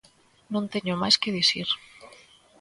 Non teño máis que dicir.